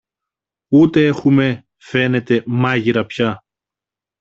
ούτε έχουμε, φαίνεται, μάγειρα πια.